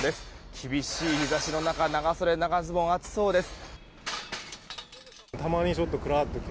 厳しい日差しの中長袖、長ズボン暑そうです。